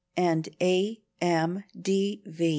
and A. M. d. V.